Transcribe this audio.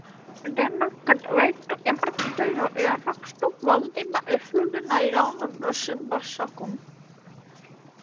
Dienā, kad veicu iepriekšējo ierakstu, valdība izsludināja jaunus drošības pasākumus.